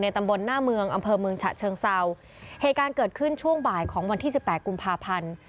ตำบลหน้าเมืองอำเภอเมืองฉะเชิงเซาเหตุการณ์เกิดขึ้นช่วงบ่ายของวันที่สิบแปดกุมภาพันธ์